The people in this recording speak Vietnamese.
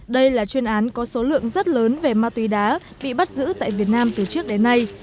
đây là chuyên án có số lượng rất lớn về ma túy đá bị bắt giữ tại việt nam từ trước đến nay